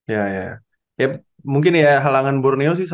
ya ya ya mungkin ya halangan borneo sih satu lagi ya